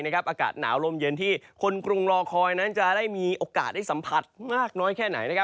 อากาศหนาวลมเย็นที่คนกรุงรอคอยนั้นจะได้มีโอกาสได้สัมผัสมากน้อยแค่ไหน